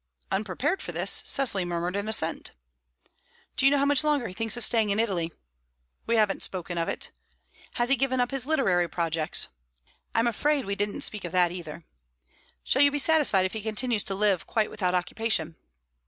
Unprepared for this, Cecily murmured an assent. "Do you know how much longer he thinks of staying in Italy?" "We haven't spoken of it." "Has he given up his literary projects?" "I'm afraid we didn't speak of that either." "Shall you be satisfied if he continues to live quite without occupation?"